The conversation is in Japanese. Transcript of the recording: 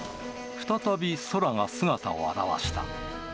再び宙が姿を現した。